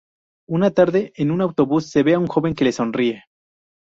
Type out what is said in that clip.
Una tarde, en un autobús, ve a un joven que le sonríe.